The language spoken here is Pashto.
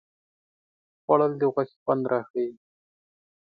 خوړل د غوښې خوند راښيي